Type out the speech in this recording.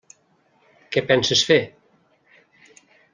Què penses fer?